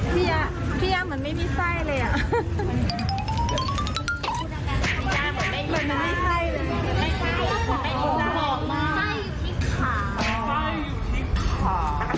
เชียวเชียวเหมือนไม่มีไส้เลยอ่ะ